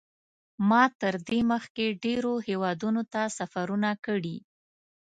ما تر دې مخکې ډېرو هېوادونو ته سفرونه کړي.